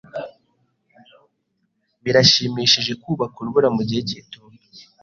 Birashimishije kubaka urubura mu gihe cy'itumba.